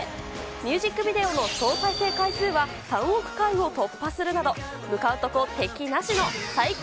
ミュージックビデオの総再生回数は３億回を突破するなど、向かうとこ敵なしの最強